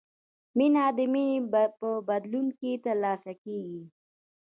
مینه د مینې په بدل کې ترلاسه کیږي.